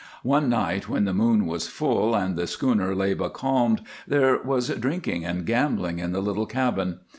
One night when the moon was full and the schooner lay becalmed there was drinking and gambling in the little cabin.